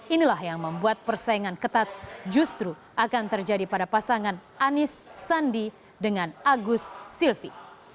inilah yang membuat persaingan ketat justru akan terjadi pada pasangan anies sandi dengan agus silvi